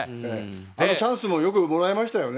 チャンスもよくもらえましたよね。